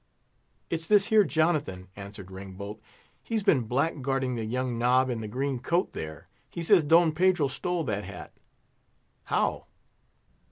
"It's this here Jonathan," answered Ringbolt; "he's been blackguarding the young nob in the green coat, there. He says Don Pedro stole his hat." "How?"